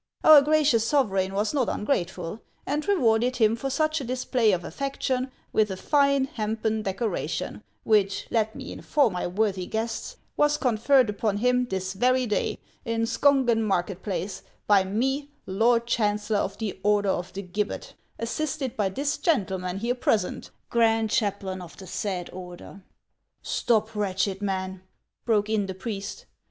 Our gracious sovereign was not ungrateful, and rewarded him for such a display of affection with a fine hempen decoration, which, let me inform my worthy guests, was conferred upon him this very day, in Skongen market place, by me, lord chancellor of the Order of the Gibbet, assisted by this gentleman here present, grand chaplain of the said order." " Stop, wretched man !" broke in the priest.